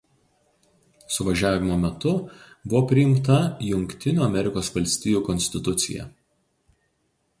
Suvažiavimo metu buvo priimta Jungtinių Amerikos Valstijų Konstitucija.